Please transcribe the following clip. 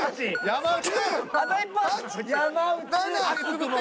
山内。